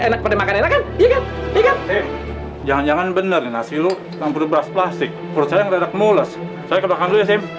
enakan enakan enakan enakan bener bener nasi lu plastik perutnya mulus saya kebakar